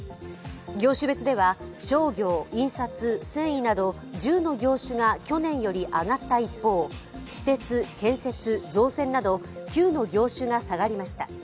業種別では商業、印刷、繊維など１０の業種が去年より上がった一方、私鉄、建設、造船など９の業種が下がりました。